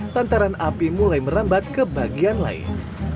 lantaran api mulai merambat ke bagian lain